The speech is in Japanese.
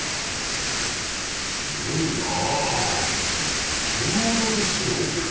強いなあ、本物ですよ。